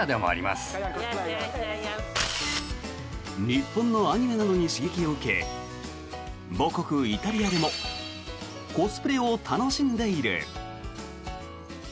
日本のアニメなどに刺激を受け母国イタリアでもコスプレを楽しんでいる。